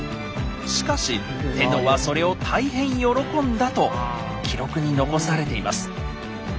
しかし天皇はそれを大変喜んだと記録に残されています。